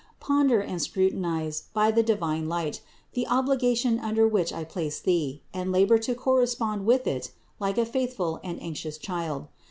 Ponder and scrutinize, by the divine light, the obligation under which I place thee, and labor to correspond with it like a faithful and anxious child.